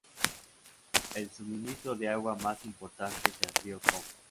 El suministro de agua más importante es el río Qom.